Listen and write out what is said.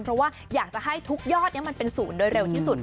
เพราะว่าอยากจะให้ทุกยอดนี้มันเป็นศูนย์โดยเร็วที่สุด